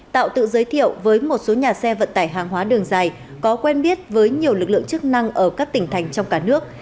tạo tự giới thiệu với một số nhà xe vận tải hàng hóa đường dài có quen biết với nhiều lực lượng chức năng ở các tỉnh thành trong cả nước